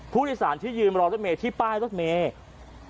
ผู้โดยสารที่ยืนรอรถเมย์ที่ป้ายรถเมย์